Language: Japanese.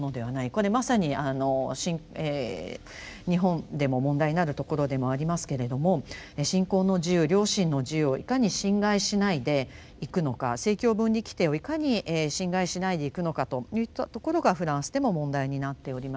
これまさに日本でも問題になるところでもありますけれども信仰の自由良心の自由をいかに侵害しないでいくのか政教分離規定をいかに侵害しないでいくのかといったところがフランスでも問題になっておりまして。